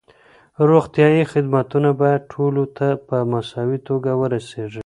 روغتیايي خدمتونه باید ټولو ته په مساوي توګه ورسیږي.